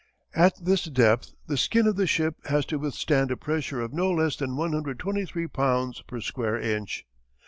At this depth the skin of the ship has to withstand a pressure of no less than 123 pounds per square inch.